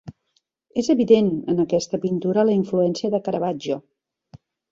És evident en aquesta pintura la influència de Caravaggio.